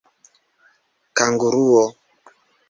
kanguruo